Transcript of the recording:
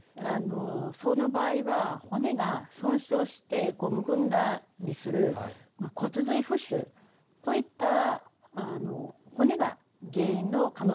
その場合は骨が損傷してむくんだりする骨髄浮腫といった骨が原因の可能性もあります。